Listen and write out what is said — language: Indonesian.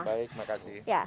baik terima kasih